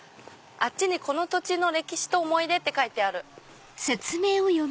「この土地の歴史と思い出」って書いてある。